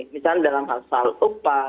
misalnya dalam hal soal upah